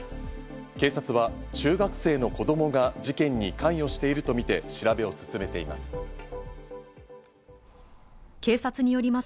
警察は中学生の子供が事件に関与しているとみて調べを進めています。